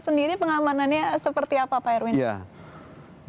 sendiri pengamanannya seperti apa pak erwin